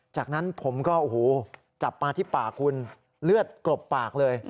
จากนั้นผมก็โอ้โหจับมาที่ปากคุณเลือดกลบปากเลย